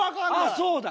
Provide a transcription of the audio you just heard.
あそうだ！